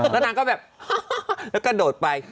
แล้วนางก็แบบแล้วกระโดดไป